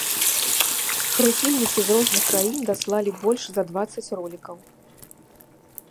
Прыхільнікі з розных краін даслалі больш за дваццаць ролікаў.